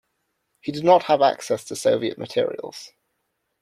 He did not have access to Soviet materials.